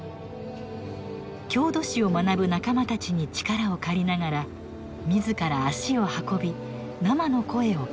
郷土史を学ぶ仲間たちに力を借りながら自ら足を運び生の声を聞く。